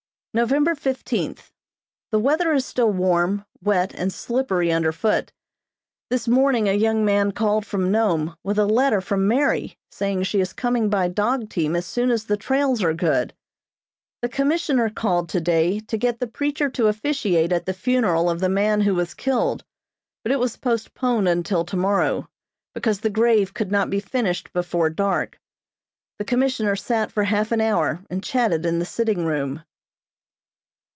November fifteenth: The weather is still warm, wet and slippery under foot. This morning a young man called from Nome, with a letter from Mary, saying she is coming by dog team as soon as the trails are good. The commissioner called today to get the preacher to officiate at the funeral of the man who was killed, but it was postponed until tomorrow, because the grave could not be finished before dark. The commissioner sat for half an hour, and chatted in the sitting room.